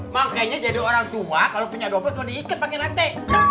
makanya jadi orang tua kalo punya dompet lo diikat pake nante